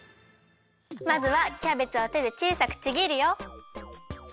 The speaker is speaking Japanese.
まずはキャベツをてでちいさくちぎるよ。